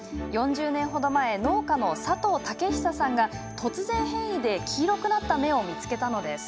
４０年程前農家の佐藤武久さんが突然変異で黄色くなった芽を見つけたのです。